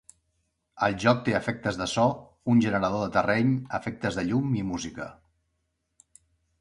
El joc té efectes de so, un generador de terreny, efectes de llum i música.